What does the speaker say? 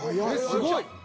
［すごい］